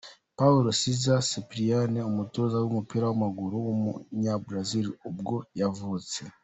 Paulo César Carpegiani, umutoza w’umupira w’amaguru w’umunya Brazil ni bwo yavutse.